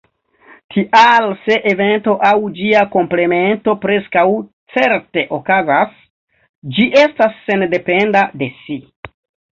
Tial se evento aŭ ĝia komplemento preskaŭ certe okazas, ĝi estas sendependa de si.